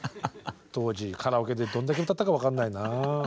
当時カラオケでどんだけ歌ったか分かんないなあ。